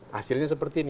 hasilnya seperti ini